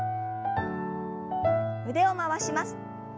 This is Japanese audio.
腕を回します。